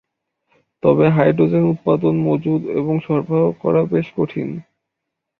তবে হাইড্রোজেন উৎপাদন, মজুদ এবং সরবরাহ করা বেশ কঠিন।